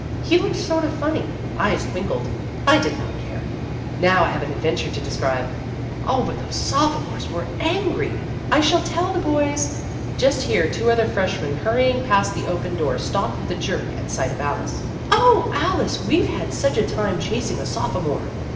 He looked sort of funny eyes twinkled. I don't care. Now I have an adventure to describe. Oh, but those sophomores were angry ! I shall tell the boys Just here two other freshmen hurrying past the open door stopped with a jerk at sight of Alice. " Oh, Alice, we 've had such a time chasing a sophomore